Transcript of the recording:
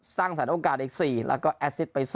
สร้างสรรคโอกาสอีก๔แล้วก็แอสซิตไป๒